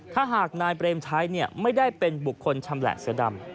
ถ้าหากนายเปรมชัยไม่ได้เป็นบุคคลชำแหละเสือดำ